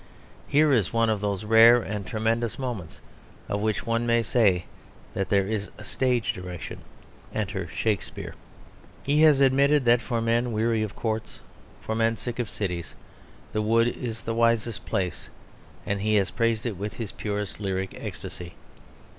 Here is one of those rare and tremendous moments of which one may say that there is a stage direction, "Enter Shakespeare." He has admitted that for men weary of courts, for men sick of cities, the wood is the wisest place, and he has praised it with his purest lyric ecstasy.